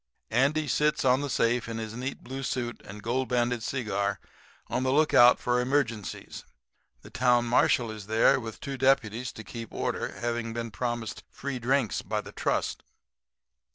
Andy sits on the safe in his neat blue suit and gold banded cigar, on the lookout for emergencies. The town marshal is there with two deputies to keep order, having been promised free drinks by the trust.